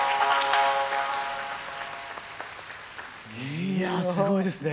いやすごいですね。